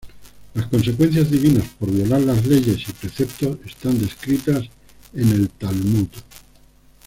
Las consecuencias divinas por violar las leyes y preceptos están descritas en el Talmud.